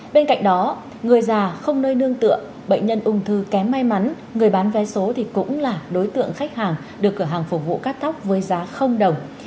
bên cạnh đó người già không nơi nương tựa bệnh nhân ung thư kém may mắn người bán vé số thì cũng là đối tượng khách hàng được cửa hàng phục vụ cắt tóc với giá đồng